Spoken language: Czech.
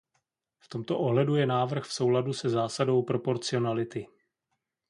V tomto ohledu je návrh v souladu se zásadou proporcionality.